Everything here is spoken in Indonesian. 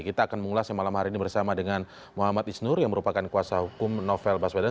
kita akan mengulasnya malam hari ini bersama dengan muhammad isnur yang merupakan kuasa hukum novel baswedan